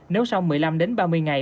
nếu sau một mươi năm đến ba mươi ngày